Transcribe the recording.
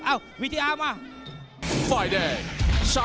เอ้าวิทยาลัยมา